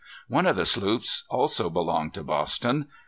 One of the sloops also belonged to Boston.